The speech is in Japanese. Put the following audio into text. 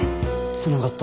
つながった。